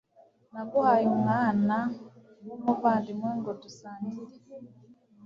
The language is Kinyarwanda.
Naguhaye umwana wumuvandimwe ngo dusangire